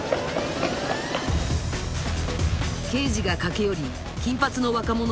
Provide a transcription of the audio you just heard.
刑事が駆け寄り金髪の若者